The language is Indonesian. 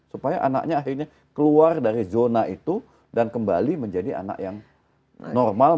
supaya anaknya akhirnya keluar dari zona itu dan kembali menjadi anak yang normal